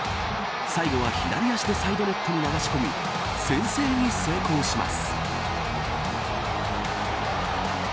最後は左足でサイドネットに流し込み先制に成功します。